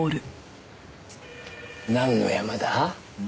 なんのヤマだ？